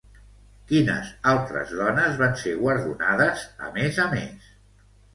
Quines altres dones van ser guardonades a més a més?